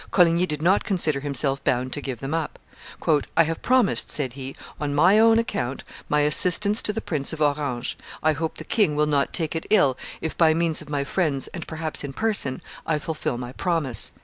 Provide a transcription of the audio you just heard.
Coligny did not consider himself bound to give them up. "I have promised," said he, "on my own account, my assistance to the Prince of Orange; I hope the king will not take it ill if by means of my friends, and perhaps in person, I fulfil my promise."